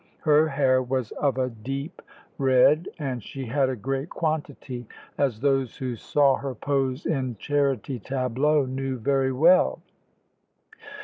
Her hair was of a deep red, and she had a great quantity, as those who saw her pose in charity tableaux knew very well.